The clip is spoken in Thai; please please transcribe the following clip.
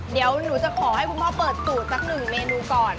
เดี๋ยวหนูจะขอให้คุณพ่อเปิดสูตรสักหนึ่งเมนูก่อน